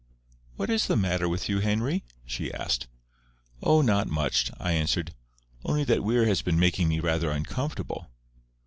"What is the matter with you, Henry?" she asked. "Oh, not much," I answered. "Only that Weir has been making me rather uncomfortable."